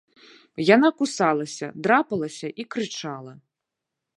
Яна кусалася, драпалася і крычала.